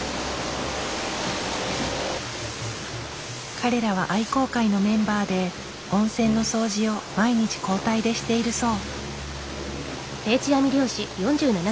彼らは愛好会のメンバーで温泉の掃除を毎日交代でしているそう。